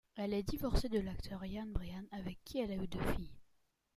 Elle est divorcée de l'acteur Yan Brian, avec qui elle a eu deux filles.